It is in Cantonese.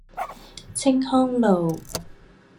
青康路